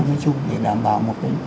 nói chung để đảm bảo một cái